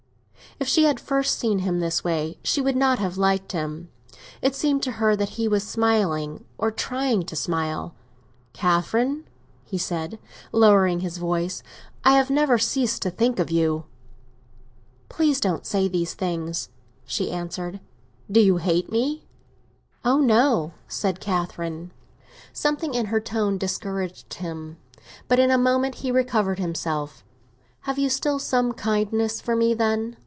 If she had first seen him this way she would not have liked him. It seemed to her that he was smiling, or trying to smile. "Catherine," he said, lowering his voice, "I have never ceased to think of you." "Please don't say those things," she answered. "Do you hate me?" "Oh no," said Catherine. Something in her tone discouraged him, but in a moment he recovered himself. "Have you still some kindness for me, then?"